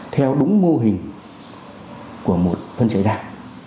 theo đúng mô hình của một phân trại giam